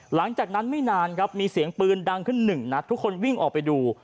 หลังจากนั้นไม่นานครับมีเสียงปืนดังขึ้นหนึ่งนัดทุกคนวิ่งออกไปดู